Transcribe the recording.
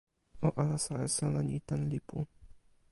o alasa e sona ni tan lipu.